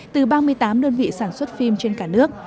từ ba mươi tám đơn vị sản xuất phim trên cả nước